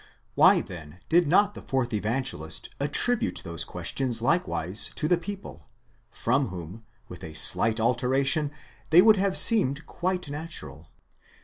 Why then did not the fourth Evangelist attribute those questions likewise to the people, from whom, with a slight alteration, they would have seemed quite natural?